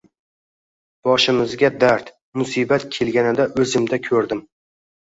Boshimizga dard, musibat kelganida oʻzimda koʻrdim.